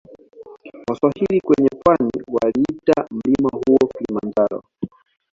Waswahili kwenye pwani waliita mlima huo Kilimanjaro